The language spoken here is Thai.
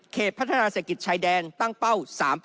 พัฒนาเศรษฐกิจชายแดนตั้งเป้า๓๘